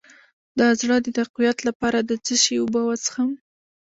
د زړه د تقویت لپاره د څه شي اوبه وڅښم؟